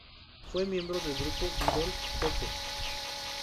Fue miembro del grupo idol CoCo.